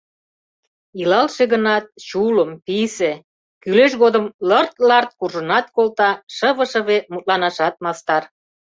Илалше гынат, чулым, писе: кӱлеш годым лырт-ларт куржынат колта, шыве-шыве мутланашат мастар.